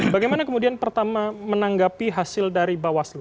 bagaimana kemudian pertama menanggapi hasil dari bawaslu